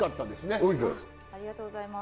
ありがとうございます。